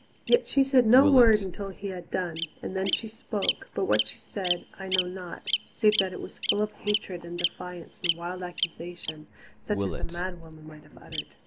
Yet she said no word until he had done, and then she spoke, but what she said I know not, save that it was full of hatred and defiance and wild accusation, such as a mad woman might have uttered.